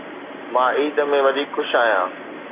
مان عيد ۾ وڌيڪ خوش آهيان.